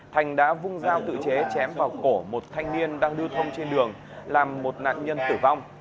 thành đã vung dao tự chế chém vào cổ một thanh niên đang lưu thông trên đường làm một nạn nhân tử vong